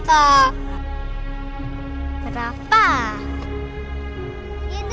ya udah deh kakak